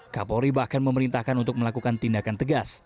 kapolri bahkan memerintahkan untuk melakukan tindakan tegas